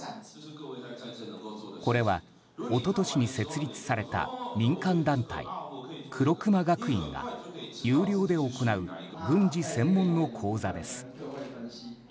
これは、一昨年に設立された民間団体、黒熊学院が有料で行う軍事専門の講座です。